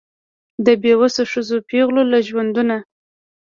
د بېوسو ښځو پېغلو له ژوندونه